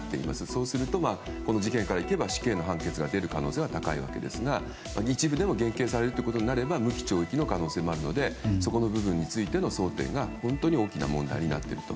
そうすると、この事件から行けば死刑の判決が出る可能性が高いわけですが一部でも減刑されることとなれば無期懲役の可能性があるのでそこの部分の争点が、本当に大きな問題になっていると。